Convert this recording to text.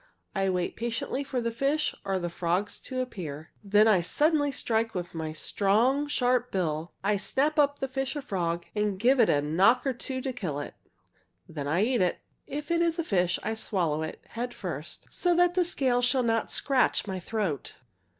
I wait patiently for the fish or the frogs to appear. "Then I strike suddenly with my strong, sharp bill. I snap up the fish or frog and give it a knock or two to kill it. "Then I eat it. If it is a fish I swallow it, head first, so that the scales shall not scratch my throat.